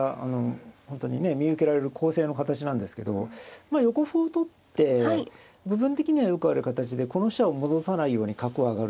本当にね見受けられる攻勢の形なんですけどまあ横歩を取って部分的にはよくある形でこの飛車を戻さないように角を上がるとか